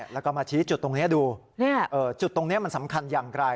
แล้วก็มาชี้จุดตรงนี้ดูจุดตรงนี้มันสำคัญอย่างไร